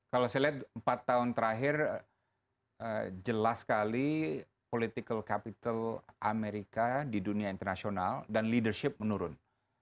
kalau saya lihat empat tahun terakhir jelas sekali political capital amerika di dunia internasional dan leadership menurun